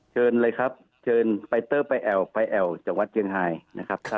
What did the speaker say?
เชิญเลยครับเชิญไปเต้อไปแอวไปแอวจังหวัดเชียงรายนะครับท่าน